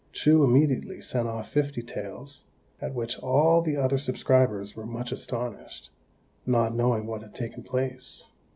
Chou immediately sent off fifty taels, at which all the other subscribers were much astonished, not knowing what had taken place.